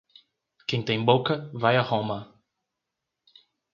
Quem tem boca, vaia Roma